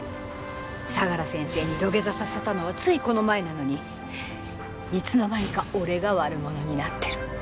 相良先生に土下座させたのはついこの前なのにいつの間にか俺が悪者になってる。